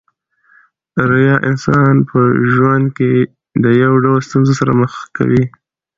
ریاء انسان په ژوند کښي د يو ډول ستونزو سره مخ کوي.